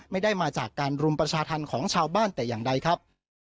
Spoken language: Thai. ไม่ได้มาจากการรุมประชาธรรมของชาวบ้านแต่อย่างใดครับ